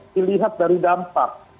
dilihat dari dampak